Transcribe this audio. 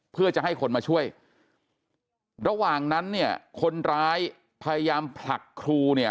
เพื่อจะให้คนมาช่วยระหว่างนั้นเนี่ยคนร้ายพยายามผลักครูเนี่ย